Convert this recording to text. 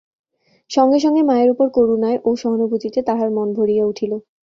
সঙ্গে সঙ্গে মায়ের উপর করুণায় ও সহানুভূতিতে তাহার মন ভরিয়া উঠিল।